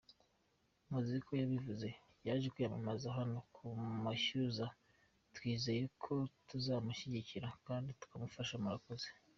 Muzi ko yabivuze yaje kwiyamamaza hano ku mashyuza twizeye ko tuzamushyigikira kandi tukamufasha murakoze.